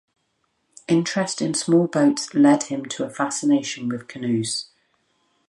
Interest in small boats led him to a fascination with canoes.